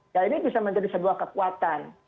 ya ini bisa menjadi sebuah kekuatan